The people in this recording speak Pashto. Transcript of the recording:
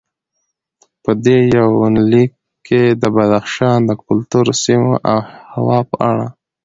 په دې یونلیک کې د بدخشان د کلتور، سیمو او هوا په اړه